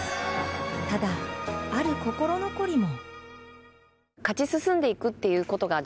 ただ、ある心残りも。